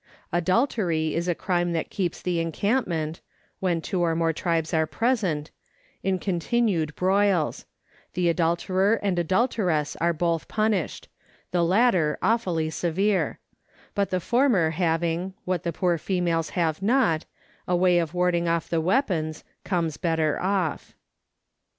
Adultery is a crime that keeps the encampment (when two or more tribes are present) in continued broils ; the adulterer and adulteress are both punished " the latter awfully severe ; but the former having (what the poor females have not) a way of warding off the weapons, comes better off.